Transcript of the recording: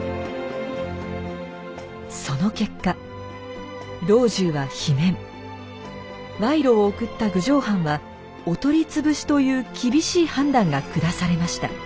その結果ワイロを贈った郡上藩はお取り潰しという厳しい判断が下されました。